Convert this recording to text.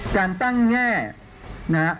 การตั้งแง่นะฮะ